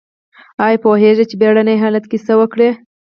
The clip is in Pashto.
ایا پوهیږئ چې بیړني حالت کې څه وکړئ؟